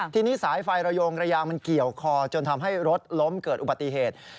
ทีนี้สายไฟระโยงระยางมันเกี่ยวคอจนทำให้รถล้มเกิดอุบัติเหตุ